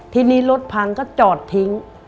ทีนี้รถพังก็จอดทิ้ง